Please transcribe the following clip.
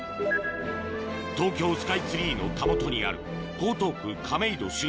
東京スカイツリーのたもとにある江東区亀戸